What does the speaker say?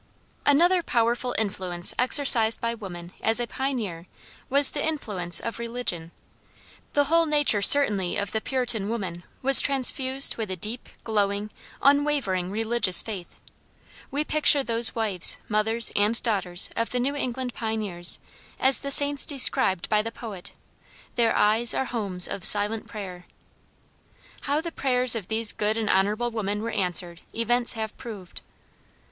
Another powerful influence exercised by woman as a pioneer was the influence of religion. The whole nature certainly of the Puritan woman was transfused with a deep, glowing, unwavering religious faith. We picture those wives, mothers, and daughters of the New England pioneers as the saints described by the poet, "Their eyes are homes of silent prayer." How the prayers of these good and honorable women were answered events have proved.